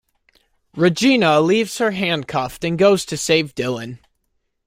Regina leaves her handcuffed and goes to save Dylan.